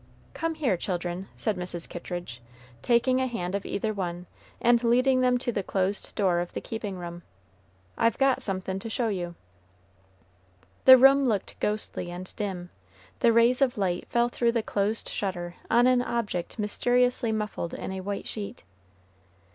"Come here, children," said Mrs. Kittridge, taking a hand of either one, and leading them to the closed door of the keeping room; "I've got somethin' to show you." The room looked ghostly and dim, the rays of light fell through the closed shutter on an object mysteriously muffled in a white sheet.